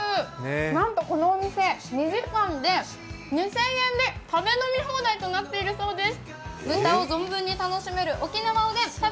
なんとこのお店、２時間で２０００円で食べ飲み放題となっているそうです。